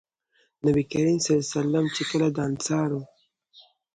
نبي کريم صلی الله عليه وسلم چې کله د انصارو